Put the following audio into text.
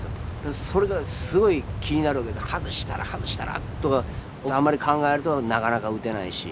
それがすごい気になるわけで外したら外したらとかあんまり考えるとなかなか撃てないし。